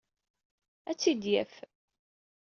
Ad tt-id-yaf.